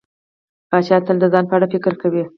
پاچا تل د ځان په اړه فکر کوي.